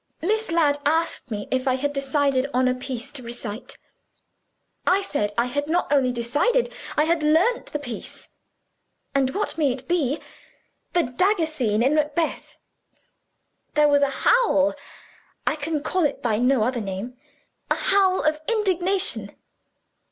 Miss Ladd asked me if I had decided on a piece to recite. I said, 'I have not only decided, I have learned the piece.' 'And what may it be?' 'The dagger scene in Macbeth.' There was a howl I can call it by no other name a howl of indignation.